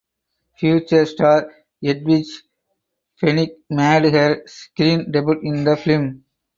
Future star Edwige Fenech made her screen debut in the film.